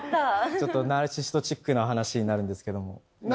ちょっとナルシストチックな話になるんですけども。